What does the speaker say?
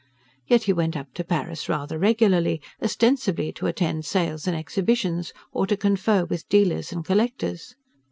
Yet he went up to Paris rather regularly: ostensibly to attend sales and exhibitions, or to confer with dealers and collectors.